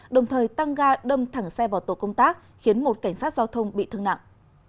đồng thời tăng ga đâm thẳng xe vào tổ công tác khiến một cảnh sát giao thông bị thương nặng